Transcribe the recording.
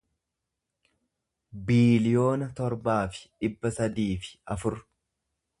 biiliyoona torbaa fi dhibba sadii fi afur